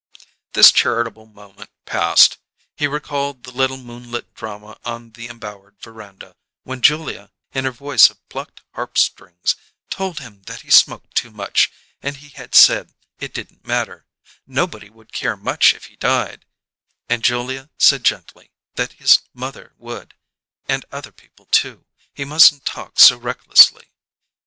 This charitable moment passed. He recalled the little moonlit drama on the embowered veranda, when Julia, in her voice of plucked harp strings, told him that he smoked too much, and he had said it didn't matter; nobody would care much if he died and Julia said gently that his mother would, and other people, too; he mustn't talk so recklessly.